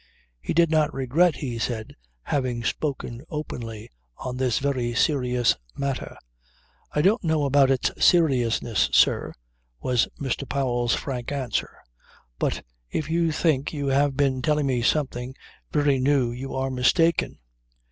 He did not regret, he said, having spoken openly on this very serious matter. "I don't know about its seriousness, sir," was Mr. Powell's frank answer. "But if you think you have been telling me something very new you are mistaken.